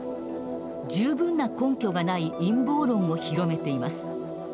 十分な根拠がない陰謀論を広めています。